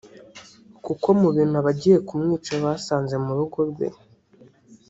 kuko mu bintu abagiye kumwica basanze mu rugo rwe